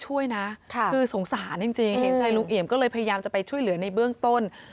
ช่วยนะคือสงสารจริงเห็นใจลุงเอี่ยมก็เลยพยายามจะไปช่วยเหลือในเบื้องต้น